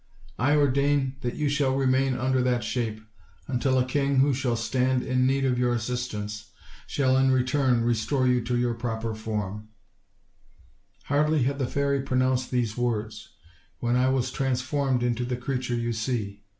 I ordain that you shall remain under that shape, until a king who shall stand in need of your assistance shall in return restore you to your proper form/ OLD, OLD FAIRY TALES. Hardly had the fairy pronounced these words, when I was transformed into the creature you see.